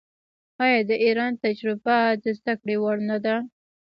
آیا د ایران تجربه د زده کړې وړ نه ده؟